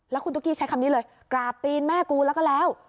แล้วคุณตุ๊กกี้ใช้คำนี้เลยกราบปีนแม่กูแล้วก็แล้ว